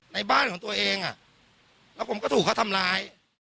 ในบ้านของตัวเองแล้วผมก็ถูกเขาทำร้าย